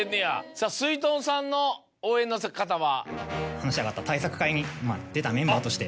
さぁすいとんさんの応援の方は？